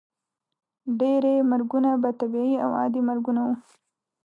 ډیری مرګونه به طبیعي او عادي مرګونه وو.